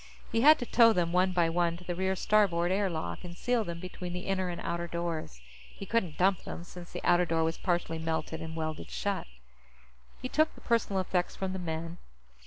He had to tow them, one by one, to the rear starboard air lock and seal them between the inner and outer doors. He couldn't dump them, since the outer door was partially melted and welded shut. He took the personal effects from the men.